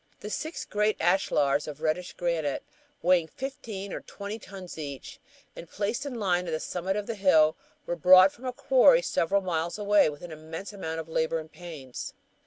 The six great ashlars of reddish granite weighing fifteen or twenty tons each, and placed in line on the summit of the hill, were brought from a quarry several miles away with an immense amount of labor and pains.